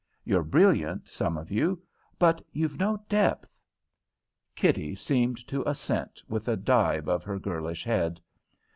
You're brilliant, some of you, but you've no depth." Kitty seemed to assent, with a dive of her girlish head.